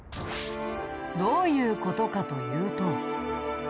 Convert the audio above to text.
どういう事かというと。